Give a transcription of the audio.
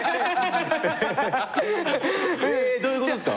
どういうことですか？